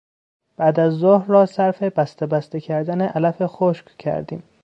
بعدازظهر را صرف بستهبسته کردن علف خشک کردیم.